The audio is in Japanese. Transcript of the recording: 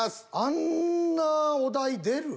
あんなお題出る？